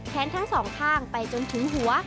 ทั้งสองข้างไปจนถึงหัว